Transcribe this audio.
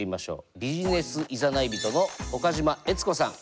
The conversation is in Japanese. ビジネスいざない人の岡島悦子さん